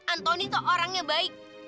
antoni tuh orangnya baik